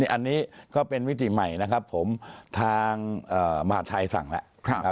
อันนี้ก็เป็นมิติใหม่นะครับผมทางมหาทัยสั่งแล้ว